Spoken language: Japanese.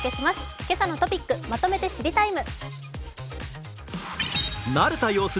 「けさのトピックまとめて知りＴＩＭＥ，」。